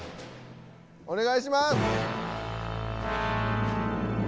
お願いします！